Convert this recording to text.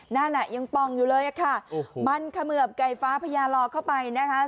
นั่นอ่ะยังป่องอยู่เลยอะค่ะมันเขมือบไก่ฟ้าพญาลอเข้าไปนะคะ